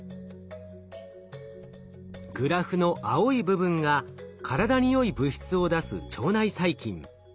グラフの青い部分が体によい物質を出す腸内細菌。